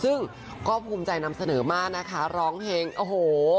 ซึ่งก็ภูมิใจนำเสนอมากนะคะร้องเพลงโอ้โห